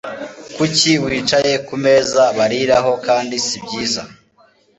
Kuki wicaye kumeza bariraho kandi sibyiza